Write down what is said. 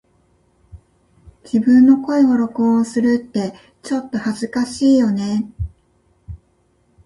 自分の声を録音するってちょっと恥ずかしいよね🫣